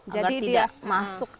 jadi dia masuk